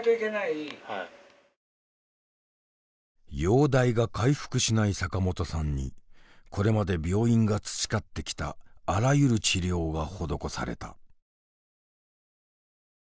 容体が回復しない坂本さんにこれまで病院が培ってきたあらゆる治療が施された。